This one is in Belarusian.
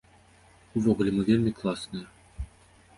Увогуле, мы вельмі класныя!